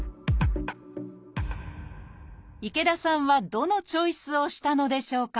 池田さんはどのチョイスをしたのでしょうか？